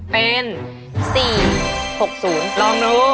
เป็น